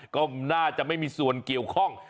ก็น่าจะไม่มีส่วนเกี่ยวข้อง